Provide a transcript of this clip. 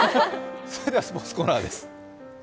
それではスポーツコーナーです。